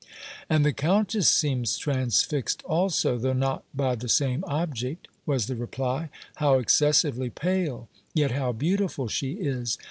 "And the Countess seems transfixed also, though not by the same object," was the reply. "How excessively pale, yet how beautiful she is!